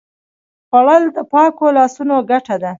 خوړل د پاکو لاسونو ګټه ده